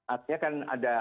artinya kan ada